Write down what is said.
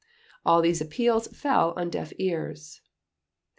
All these appeals fell on deaf ears.